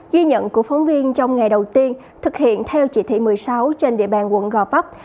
ghi nhận của phóng viên trong ngày đầu tiên thực hiện theo chỉ thị một mươi sáu trên địa bàn quận gò vấp